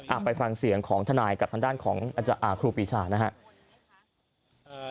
อาภัยฟังเสียงของทนายกับทางด้านของอาจารย์ครูปีชานะครับ